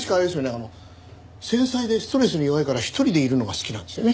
あの繊細でストレスに弱いから一人でいるのが好きなんですよね。